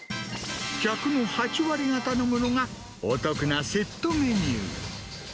客の８割が頼むのが、お得なセットメニュー。